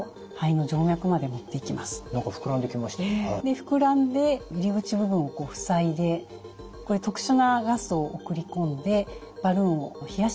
膨らんで入り口部分を塞いで特殊なガスを送り込んでバルーンを冷やしてます。